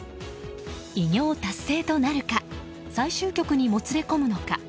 偉業達成となるか最終局にもつれ込むのか。